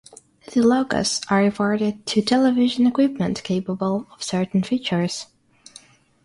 The logos are awarded to television equipment capable of certain features.